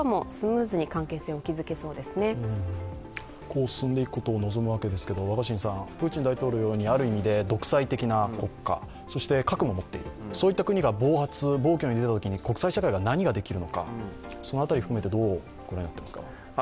こう進んでいくことを望むわけですがプーチン大統領のようにある意味で独裁的な国家そして、核も持っている、そういった国が暴発・暴挙に出たときに国際社会が何をできるのか、その辺り含めてどう御覧になりますか。